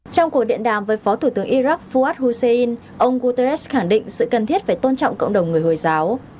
trong cuộc điện đàm với phó thủ tướng iraq faad husein ông guterres khẳng định sự cần thiết phải tôn trọng cộng đồng người hồi giáo